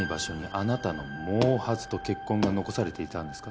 あなたの毛髪と血痕が残されていたんですか？